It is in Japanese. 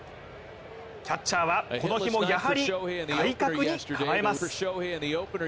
キャッチャーはこの日もやはり対角に構えます。